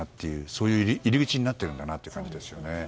そういう入り口になってるんだなという感じですよね。